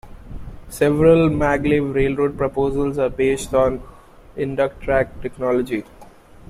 Several maglev railroad proposals are based upon Inductrack technology.